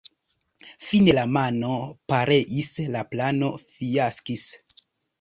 Fine la mono pereis, la plano fiaskis.